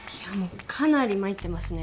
かなりまいってますね